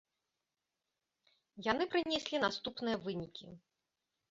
Яны прынеслі наступныя вынікі.